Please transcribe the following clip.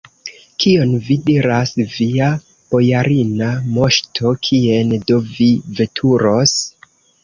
Kion vi diras, via bojarina moŝto, kien do vi veturos?